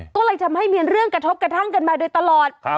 ก็เลยทำให้มีเรื่องกระทบกระทั่งกันมาโดยตลอด